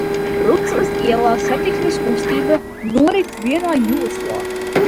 Rucavas ielā satiksmes kustība norit vienā joslā.